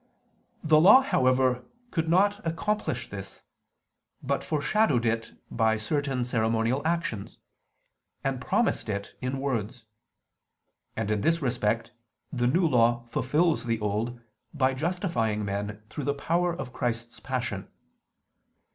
The Law, however, could not accomplish this: but foreshadowed it by certain ceremonial actions, and promised it in words. And in this respect, the New Law fulfils the Old by justifying men through the power of Christ's Passion.